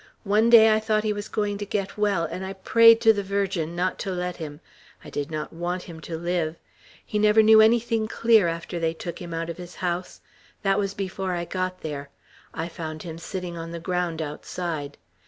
One day I thought he was going to get well, and I prayed to the Virgin not to let him. I did not want him to live. He never knew anything clear after they took him out of his house. That was before I got there. I found him sitting on the ground outside.